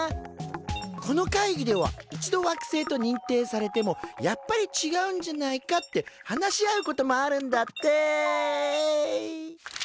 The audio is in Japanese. この会議では一度惑星とにんていされてもやっぱりちがうんじゃないかって話し合うこともあるんだって。